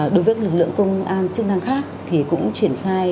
đối với lực lượng công an chức năng khác thì cũng triển khai